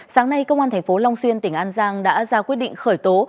sáng nay công an tp long xuyên tỉnh an giang đã ra quyết định khởi tố